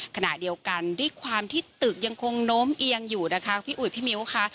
ขณะเดียวกันด้วยความที่ตึกยังคงโน้มเอียงอยู่นะคะพี่อุ๋ยพี่มิ้วค่ะ